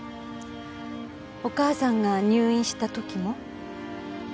お母さんが入院した時も？